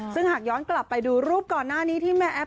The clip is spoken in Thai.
ซึ่งหากย้อนกลับไปดูรูปก่อนหน้านี้ที่แม่แอฟ